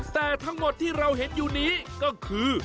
แต่ทั้งหมดที่เราเห็นอยู่นี้ก็คือ